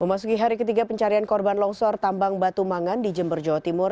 memasuki hari ketiga pencarian korban longsor tambang batu mangan di jember jawa timur